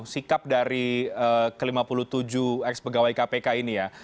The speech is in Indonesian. sikap dari ke lima puluh tujuh ex pegawai kpk ini ya